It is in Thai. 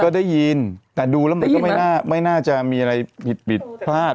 ก็ได้ยินแต่ดูแล้วมันก็ไม่น่าไม่น่าจะมีอะไรผิดผิดพลาด